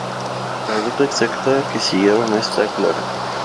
La ruta exacta que siguieron no está clara.